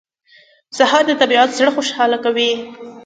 سهار د طبیعت زړه خوشاله کوي.